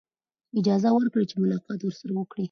اجازه ورکړي چې ملاقات ورسره وکړي.